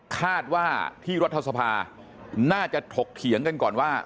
คาดว่าที่รัฐสภาน่าจะถกเถียงกันก่อนว่า